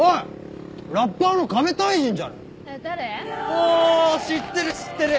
お知ってる知ってる。